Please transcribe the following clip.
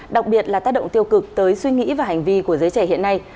đặc biệt là tác động tiêu cực tới suy nghĩ và hành vi của giới trẻ hiện nay